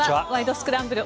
スクランブル」